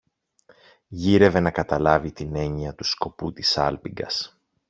Γύρευε να καταλάβει την έννοια του σκοπού της σάλπιγγας